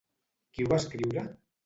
Qui ho va escriure?